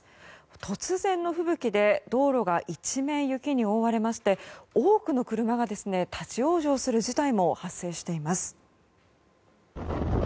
突然の吹雪で道路が一面、雪に覆われまして多くの車が立ち往生する事態も発生しています。